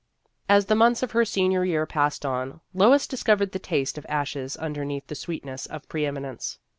As the months of her senior year passed on, Lois discovered the taste of ashes underneath the sweetness of pre eminence.